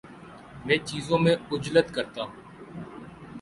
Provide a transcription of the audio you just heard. میں چیزوں میں عجلت کرتا ہوں